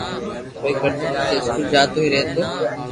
ڪوئي ڪرتو پسو اسڪول جاتو ھي رھتو